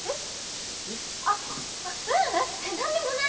あううんなんでもない！